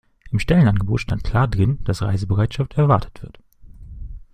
Im Stellenangebot stand klar drin, dass Reisebereitschaft erwartet wird.